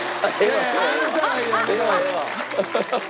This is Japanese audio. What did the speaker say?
ハハハハ！